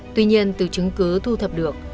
tuy nhiên từ chứng cứ thu thập được